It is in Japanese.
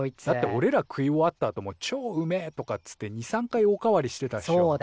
だっておれら食い終わったあとも「チョーうめえ！」とかっつって２３回おかわりしてたっしょ。